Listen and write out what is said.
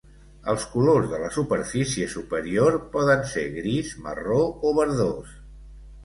Els colors de la superfície superior poden ser gris, marró o verdós.